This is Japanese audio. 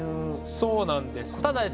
そうなんです。